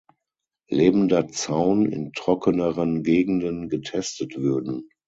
Lebender Zaun in trockeneren Gegenden getestet würden.